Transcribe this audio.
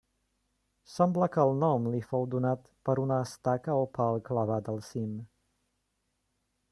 Sembla que el nom li fou donat per una estaca o pal clavat al cim.